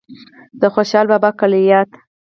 د خوشال بابا کلیات